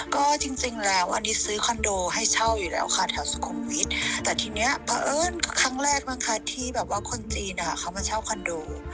ก็จริงแล้วอันนี้ซื้อคอนโดให้เช่าอยู่แล้วค่ะแถวสุขุมวิทย์แต่ทีนี้เพราะเอิญครั้งแรกมั้งคะที่แบบว่าคนจีนอ่ะเขามาเช่าคอนโด